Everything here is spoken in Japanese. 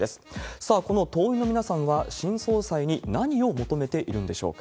さあ、この党員の皆さんは新総裁に何を求めているんでしょうか。